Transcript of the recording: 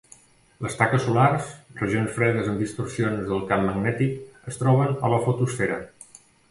Les taques solars, regions fredes amb distorsions del camp magnètic, es troben a la fotosfera.